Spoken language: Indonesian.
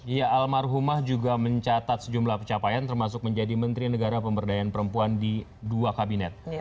ya almarhumah juga mencatat sejumlah pencapaian termasuk menjadi menteri negara pemberdayaan perempuan di dua kabinet